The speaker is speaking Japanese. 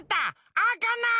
あかない！